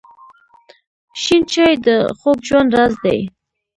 شین چای د خوږ ژوند راز دی.